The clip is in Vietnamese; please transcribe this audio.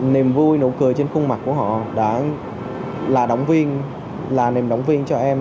niềm vui nụ cười trên khuôn mặt của họ là niềm động viên cho em